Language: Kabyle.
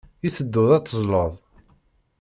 I tedduḍ ad teẓẓleḍ?